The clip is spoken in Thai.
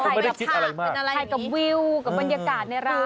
ก็คงไม่ได้คิดอะไรมากถ่ายกับวิวกับบรรยากาศในร้าน